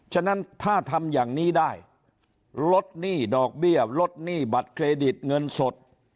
ฉะนั้นถ้าทำอย่างนี้ได้ลดหนี้ดอกเบี้ยลดหนี้บัตรเครดิตเงินสด